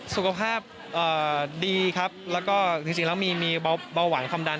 สุขภาพดีครับแล้วก็จริงแล้วมีเบาหวานความดัน